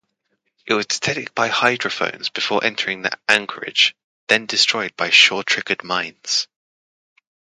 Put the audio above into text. It was detected by hydrophones before entering the anchorage, then destroyed by shore-triggered mines.